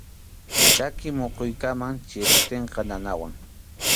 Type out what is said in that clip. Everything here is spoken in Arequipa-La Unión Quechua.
Chaki muquykunam chiriptinqa nanawan.